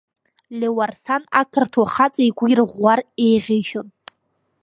Леуарсан ақырҭуа хаҵа игәы ирӷәӷәар еиӷьеишьон.